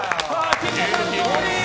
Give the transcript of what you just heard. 菊田さん、勝利。